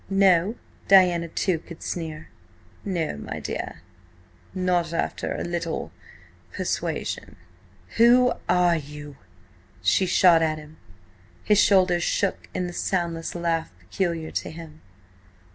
"No?" Diana, too, could sneer. "No, my dear. Not after a little–persuasion." "Who are you?" she shot at him. His shoulders shook in the soundless laugh peculiar to him.